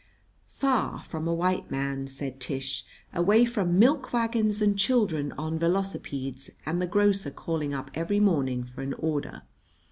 "Far from a white man," said Tish. "Away from milk wagons and children on velocipedes and the grocer calling up every morning for an order.